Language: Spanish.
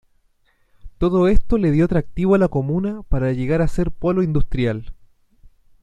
Todo esto le dio atractivo a la comuna para llegar a ser polo industrial.